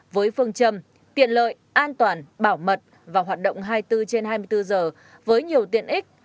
với phương châm tiện lợi an toàn bảo mật và hoạt động hai mươi bốn trên hai mươi bốn giờ với nhiều tiện ích